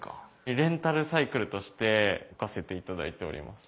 レンタルサイクルとして置かせていただいております。